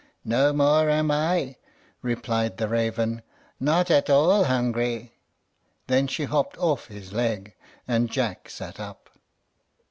"No more am I," replied the raven; "not at all hungry." Then she hopped off his leg, and Jack sat up.